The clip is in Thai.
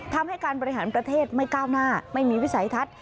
ทำให้การบริหารประเทศไม่ก้าวหน้าไม่มีวิสัยทัศน์